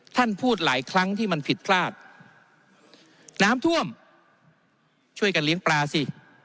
ท่านพูดหลายครั้งที่มันผิดพลาดน้ำท่วมช่วยกันเลี้ยงปลาสิ